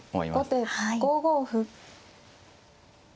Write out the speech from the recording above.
後手５五歩。